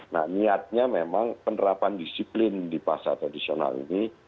niatnya memang penerbangan disiplin di pasar tradisional ini